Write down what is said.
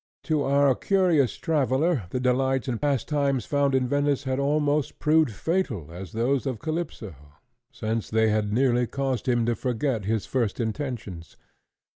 To our curious traveller the delights and pastimes found in Venice had almost proved fatal as those of Calypso, since they had nearly caused him to forget his first intentions.